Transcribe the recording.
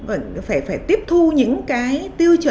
anh vẫn phải tiếp thu những cái tiêu chuẩn